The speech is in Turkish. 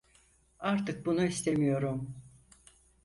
Artık bunu istemiyorum.